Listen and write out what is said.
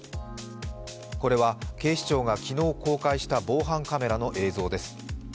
これは警視庁が昨日、公開した防犯カメラの映像です。